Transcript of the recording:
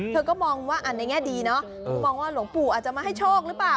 เธอก็มองว่าอ่านในแง่ดีเนาะมองว่าหลวงปู่อาจจะมาให้โชคหรือเปล่า